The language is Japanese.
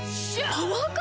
パワーカーブ⁉